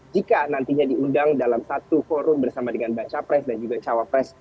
jika nantinya diundang dalam satu forum bersama dengan banca pres dan juga cawa pres